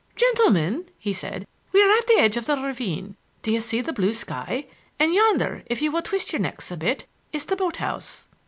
"Gentlemen," he said, "we are at the edge of the ravine. Do you see the blue sky? And yonder, if you will twist your necks a bit, is the boat house."